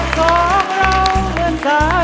คุณธุเทนทำเพื่อท่านเป็นของเราจริงมากับจริงก่อน